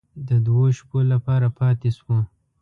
د دوو شپو لپاره پاتې شوو.